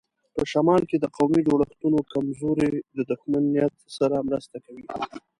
په شمال کې د قومي جوړښتونو کمزوري د دښمن نیت سره مرسته کوي.